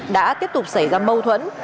đã tiếp tục xảy ra mâu thuẫn